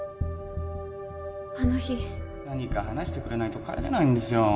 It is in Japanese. あの日・何か話してくれないと帰れないんですよ